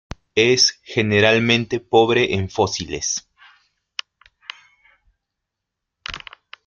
Es generalmente pobre en fósiles.